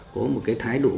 có một cái thái độ